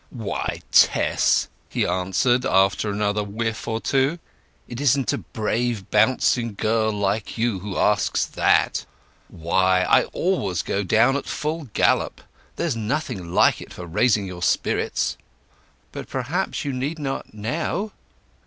"Why, Tess," he answered, after another whiff or two, "it isn't a brave bouncing girl like you who asks that? Why, I always go down at full gallop. There's nothing like it for raising your spirits." "But perhaps you need not now?"